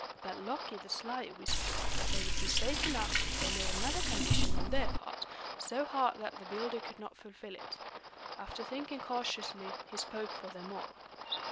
But Loki the sly whispered that they would be safe enough if they made another condition on their part, so hard that the builder could not fulfill it. After thinking cautiously, he spoke for them all.